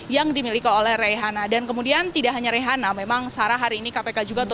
yang dimiliki oleh reihana dan kemudian tidak hanya rehana memang sarah hari ini kpk juga